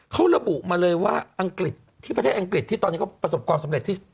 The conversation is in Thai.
เขาระบุมาเลยว่าอังกฤษที่ประเทศอังกฤษที่ตอนนี้เขาประสบความสำเร็จที่